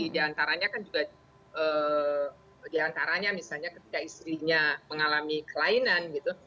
di antaranya kan juga diantaranya misalnya ketika istrinya mengalami kelainan gitu